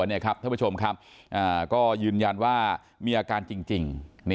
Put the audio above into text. ท่านผู้ชมครับก็ยืนยันว่ามีอาการจริง